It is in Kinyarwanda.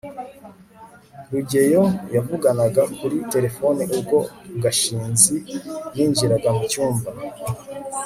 rugeyo yavuganaga kuri terefone ubwo gashinzi yinjiraga mu cyumba